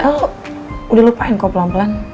halo udah lupain kok pelan pelan